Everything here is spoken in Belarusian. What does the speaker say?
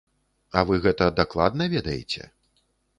А вы гэта дакладна ведаеце?